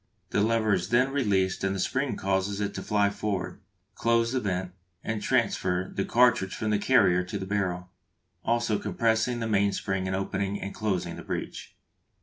The lever is then released and the spring causes it to fly forward, close the vent, and transfer the cartridge from the carrier to the barrel, also compressing the mainspring and opening and closing the breech.